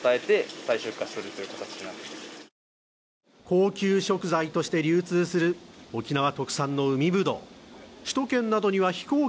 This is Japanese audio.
高級食材として流通する沖縄特産の海ぶどう。